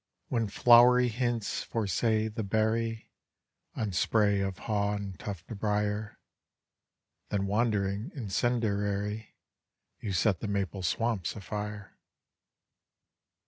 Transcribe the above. "When flowery hints foresay the berry, On spray of haw and tuft of briar, Then wandering incendiary, You set the maple swamps afire."